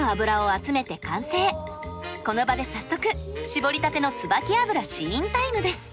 この場で早速搾りたてのつばき油試飲タイムです。